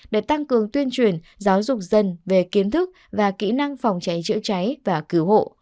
để tăng cường tuyên truyền giáo dục dân về kiến thức và kỹ năng phòng cháy chữa cháy và cứu hộ